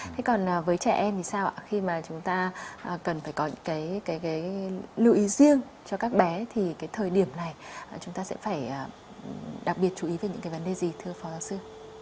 thế còn với trẻ em thì sao ạ khi mà chúng ta cần phải có những cái lưu ý riêng cho các bé thì cái thời điểm này chúng ta sẽ phải đặc biệt chú ý về những cái vấn đề gì thưa phó giáo sư